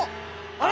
あれ。